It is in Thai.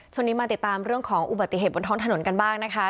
มาติดตามเรื่องของอุบัติเหตุบนท้องถนนกันบ้างนะคะ